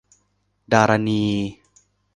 ดารณี